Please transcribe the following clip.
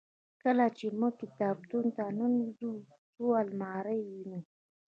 کله چې موږ کتابتون ته ننوزو څو المارۍ وینو.